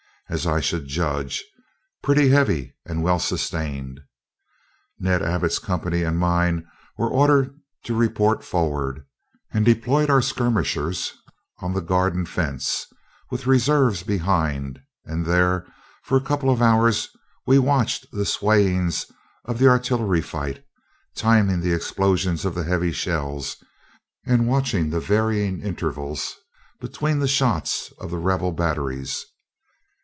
as I should judge, pretty heavy and well sustained. Ned Abbott's company and mine were ordered to report forward, and deployed our skirmishers on the garden fence, with reserves behind; and there, for a couple of hours, we watched the swayings of the artillery fight, timing the explosion of the heavy shells, and watching the varying intervals between the shots of the rebel batteries.